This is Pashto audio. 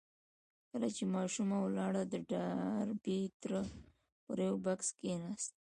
کله چې ماشومه ولاړه د ډاربي تره پر يوه بکس کېناست.